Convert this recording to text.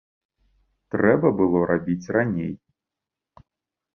Трэба было рабіць раней.